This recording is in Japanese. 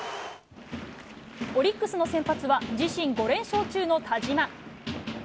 オリックスの先発は、自身５連勝中の田嶋。